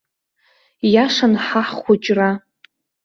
Иашан ҳа ҳхәыҷра.